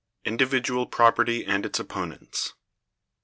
Individual Property and its opponents.